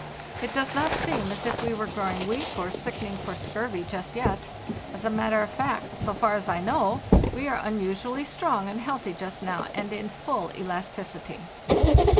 It does not seem as if we were growing weak or sickening for scurvy just yet. As a matter of fact, so far as I know, we are unusually strong and healthy just now and in full elasticity.